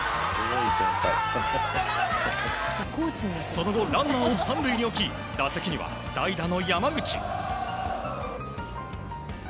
その後、ランナーを３塁に置き打席には、代打の山口。